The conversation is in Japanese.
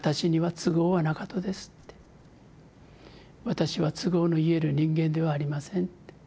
「私は都合の言える人間ではありません。